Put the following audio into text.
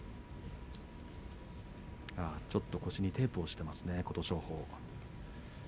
腰にテープをしていますね琴勝峰。